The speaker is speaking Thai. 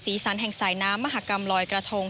สันแห่งสายน้ำมหากรรมลอยกระทง